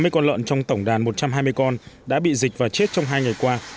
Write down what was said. hai mươi con lợn trong tổng đàn một trăm hai mươi con đã bị dịch và chết trong hai ngày qua